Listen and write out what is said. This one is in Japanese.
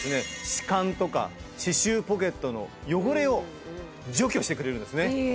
歯間とか歯周ポケットの汚れを除去してくれるんですね。